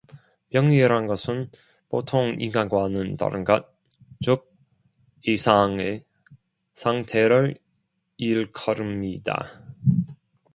병이란 것은 보통 인간과는 다른 것, 즉 ‘이상’의 상태를 일컬음이다.